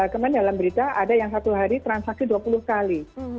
kemarin dalam berita ada yang satu hari transaksi dua puluh kali